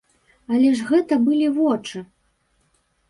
Але ж гэта былі вочы!